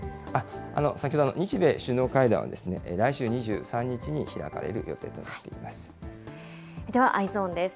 先ほど、日米首脳会談は、来週２３日に開かれる予定となってでは、Ｅｙｅｓｏｎです。